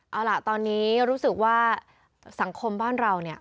เอาล่ะตอนนี้รู้สึกว่าสังคมบ้านเราเนี่ย